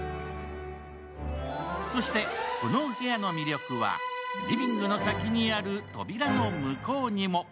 そしてこのお部屋の魅力はリビングの先にある扉の向こうにも。